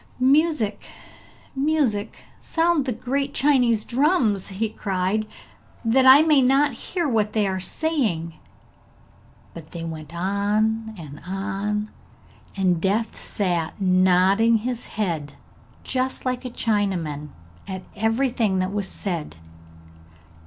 'Music, music, sound the great Chinese drums!' he cried, 'that I may not hear what they are saying.' But they went on and on, and Death sat nodding his head, just like a Chinaman, at everything that was said.